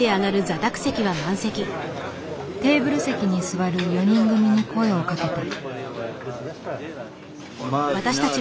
テーブル席に座る４人組に声をかけた。